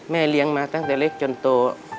เลี้ยงมาตั้งแต่เล็กจนโต